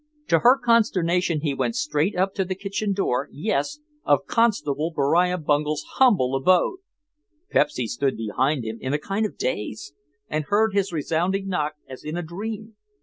To her consternation he went straight up to the kitchen door, yes, of Constable Beriah Bungel's humble abode! Pepsy stood behind him in a kind of daze and heard his resounding knock as in a dream.